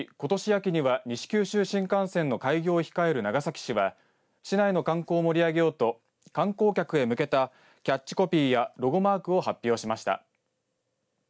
秋には西九州新幹線の開業を控える長崎市は市内の観光を盛り上げようと観光客へ向けたキャッチコピーやロゴマークを発表しました。